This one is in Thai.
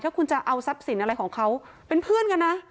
ถ้าคุณจะเอาทรัพย์สินอะไรของเขาเป็นเพื่อนกันนะ